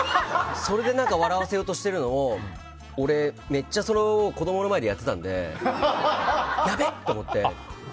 それで笑わせようとしてるのを俺、めっちゃ子供の前でやってたんでやべっと思って。